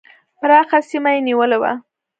پراخه سیمه یې نیولې وه.